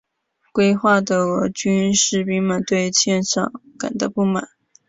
归化的俄军士兵们对欠饷感到不满。